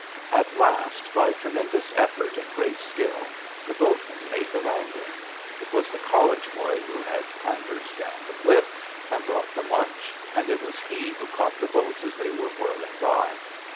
At last, by tremendous effort and great skill, the boatmen made the landing. It was the college boy who had clambered down the cliff and brought the lunch, and it was he who caught the boats as they were whirling by.